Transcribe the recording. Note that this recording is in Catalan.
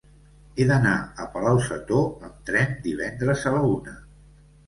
He d'anar a Palau-sator amb tren divendres a la una.